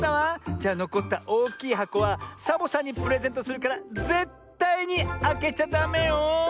じゃのこったおおきいはこはサボさんにプレゼントするからぜったいにあけちゃダメよ。